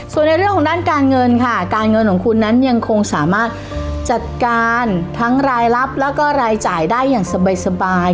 ส่วนในเรื่องของด้านการเงินค่ะการเงินของคุณนั้นยังคงสามารถจัดการทั้งรายลับแล้วก็รายจ่ายได้อย่างสบาย